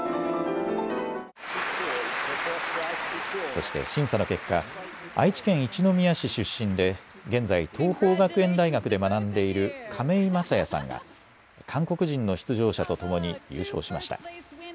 そして審査の結果、愛知県一宮市出身で現在、桐朋学園大学で学んでいる亀井聖矢さんが韓国人の出場者と共に優勝しました。